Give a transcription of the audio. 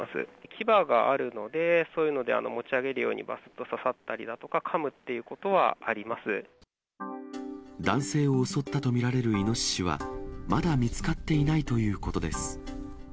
きばがあるので、そういうので持ち上げるように刺さったりだとか、かむっていうこ男性を襲ったと見られるイノシシは、まだ見つかっていないということです。